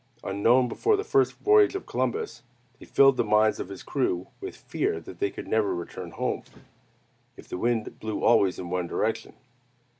Unknown before the first voyage of Columbus, they filled the minds of his crew with fear that they could never return home, if the wind blew always in one direction.